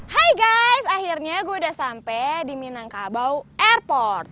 guys akhirnya gue udah sampai di minangkabau airport